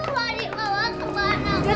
ma aku mau dibawa kemana